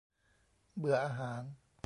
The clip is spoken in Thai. เบื่ออาหาร !